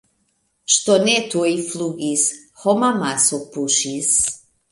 Ŝtonetoj flugis; homamaso puŝis.